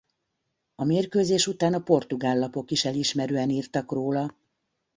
A mérkőzés után a portugál lapok is elismerően írtak róla.